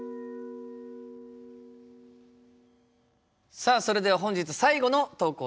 さあそれでは本日最後の投稿です。